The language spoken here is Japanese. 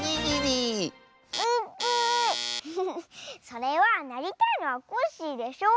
それはなりたいのはコッシーでしょ？